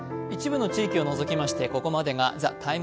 一部の地域を除きましてここまでが「ＴＨＥＴＩＭＥ’」。